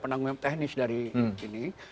penanggung teknis dari sini